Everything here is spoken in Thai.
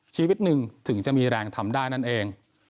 ชีวิตหนึ่งถึงจะมีแรงทำได้นั่นเอง